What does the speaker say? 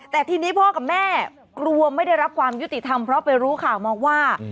แต่ทีนี้พ่อกับแม่กลัวไม่ได้รับความยุติธรรมเพราะไปรู้ข่าวมาว่า